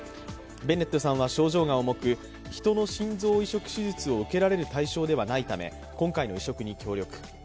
ベネットさんは症状が重く人の心臓移植手術を受けられる対象ではないため今回の移植に協力。